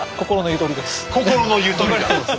心のゆとりです。